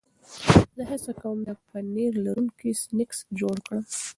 زه هڅه کوم د پنیر لرونکي سنکس جوړ کړم.